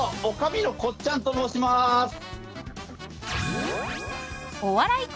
女将のこっちゃんと申します。